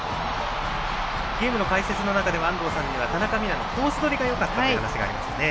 ゲームの解説の中では安藤さんから田中美南のコース取りがよかったという話がありました。